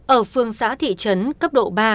ở phường xã thị trấn cấp độ ba